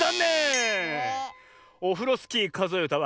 「オフロスキーかぞえうた」は。